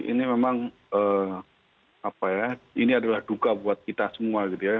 ini memang apa ya ini adalah duka buat kita semua gitu ya